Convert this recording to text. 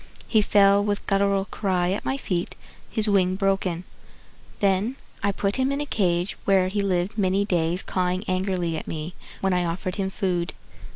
He fell with guttural cry At my feet, his wing broken. Then I put him in a cage Where he lived many days cawing angrily at me When I offered him food.